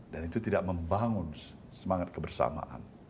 dan itu tidak membangun semangat kebersamaan